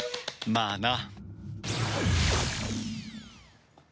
まあな。